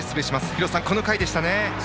廣瀬さん、この回でしたね。